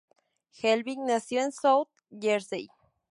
Helbig nació en South Jersey.